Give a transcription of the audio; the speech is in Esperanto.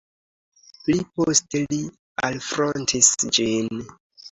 Pli poste li alfrontis ĝin.